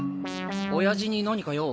おやじに何か用？